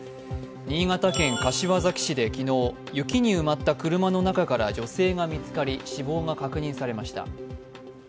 新潟県柏崎市で昨日、雪に埋まった車の中から女性が見つかり死亡が確認されました。